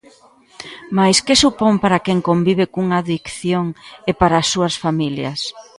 Mais que supón para quen convive cunha adicción e para as súas familias?